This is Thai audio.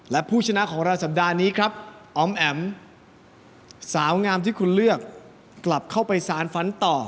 และผู้ชนะของเราสัปดาห์นี้ครับออมแอ๋มสาวงามที่คุณเลือกกลับเข้าไปสารฝันต่อ